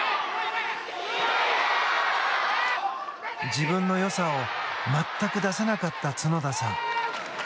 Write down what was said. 自分の良さを全く出せなかった角田さん。